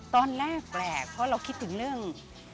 ตอนแรกแปลกเพราะเราคิดถึงเรื่อง